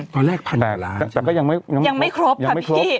ตอนแรก๑๐๐๐ล้านแต่ก็ยังไม่ครบครับพี่